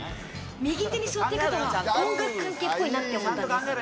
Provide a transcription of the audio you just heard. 右手に座ってる方は音楽関係っぽいなって思ったんです。